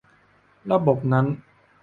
ระบบนั้น